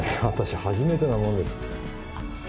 私初めてなもんですあっ